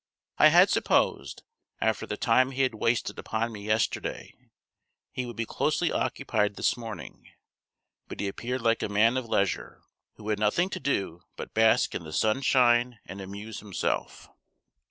I had supposed, after the time he had wasted upon me yesterday, he would be closely occupied this morning, but he appeared like a man of leisure, who had nothing to do but bask in the sunshine and amuse himself.